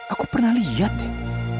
aku pernah lihat deh